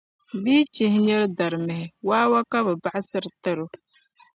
Bɛ yi chihi niri darimihi, wawa ka bɛ baɣisiri n-tari o.